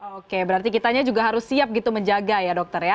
oke berarti kitanya juga harus siap gitu menjaga ya dokter ya